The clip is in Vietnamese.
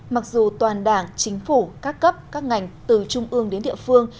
mặc dù toàn đảng chính phủ các cấp các ngành từ trung ương đến địa phương